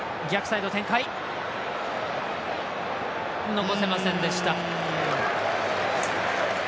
残せませんでした。